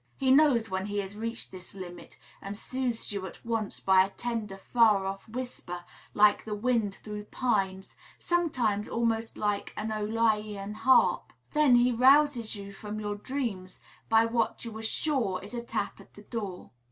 He knows when he has reached this limit, and soothes you at once by a tender, far off whisper, like the wind through pines, sometimes almost like an Aeolian harp; then he rouses you from your dreams by what you are sure is a tap at the door.